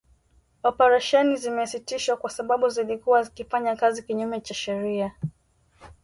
Operesheni zimesitishwa kwa sababu zilikuwa zikifanya kazi kinyume cha sheria